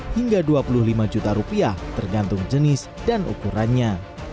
hingga dua puluh lima juta rupiah tergantung jenis dan ukurannya